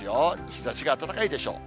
日ざしが暖かいでしょう。